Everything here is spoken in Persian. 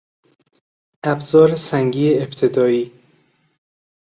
ابزار سنگی ابتدایی